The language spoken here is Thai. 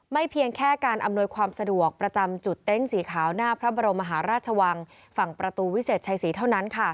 เพียงแค่การอำนวยความสะดวกประจำจุดเต็นต์สีขาวหน้าพระบรมมหาราชวังฝั่งประตูวิเศษชัยศรีเท่านั้น